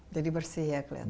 jadi bersih ya kelihatan